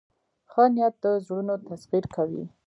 ښه نیت د زړونو تسخیر کوي.